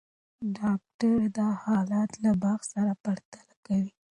ډاکټره دا حالت له باغ سره پرتله کوي.